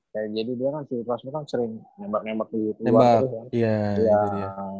kayak jadi dia kan si proctor kan sering ngembar ngembar di luar